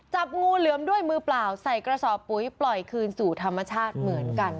จับงูเหลือมด้วยมือเปล่าใส่กระสอบปุ๋ยปล่อยคืนสู่ธรรมชาติเหมือนกัน